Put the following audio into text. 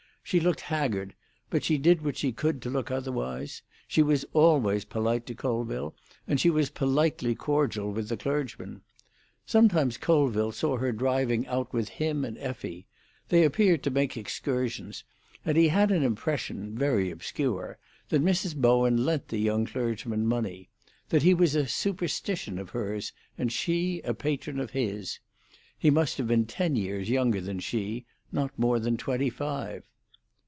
She looked haggard; but she did what she could to look otherwise. She was always polite to Colville, and she was politely cordial with the clergyman. Sometimes Colville saw her driving out with him and Effie; they appeared to make excursions, and he had an impression, very obscure, that Mrs. Bowen lent the young clergyman money; that he was a superstition of hers, and she a patron of his; he must have been ten years younger than she; not more than twenty five.